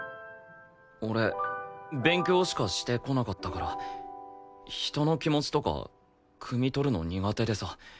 俺勉強しかしてこなかったから人の気持ちとかくみ取るの苦手でさ。